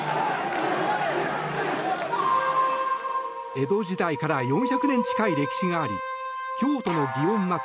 江戸時代から４００年近い歴史があり京都の祇園祭